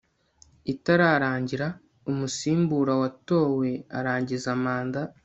itararangira umusimbura watowe arangiza manda